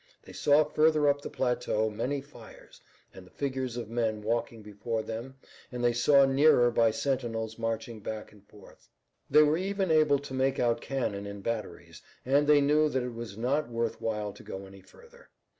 They saw further up the plateau many fires and the figures of men walking before them and they saw nearer by sentinels marching back and forth. They were even able to make out cannon in batteries, and they knew that it was not worth while to go any further.